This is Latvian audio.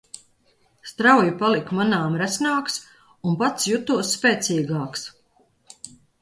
Strauji paliku manāmi resnāks un pats jutos spēcīgāks.